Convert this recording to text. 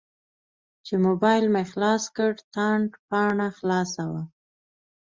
چې موبایل مې خلاص کړ تاند پاڼه خلاصه وه.